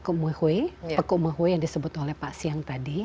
peku muehui yang disebut oleh pak siang tadi